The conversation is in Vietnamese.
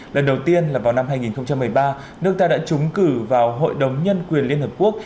lần đầu tiên là vào năm hai nghìn một mươi ba nước ta đã trúng cử vào hội đồng nhân quyền liên hợp quốc